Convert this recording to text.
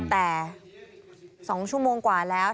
แต่๒ชั่วโมงกว่าแล้ว